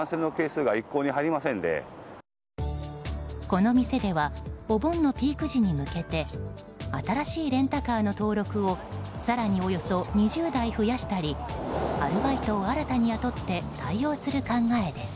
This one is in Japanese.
この店ではお盆のピーク時に向けて新しいレンタカーの登録を更におよそ２０台増やしたりアルバイトを新たに雇って対応する考えです。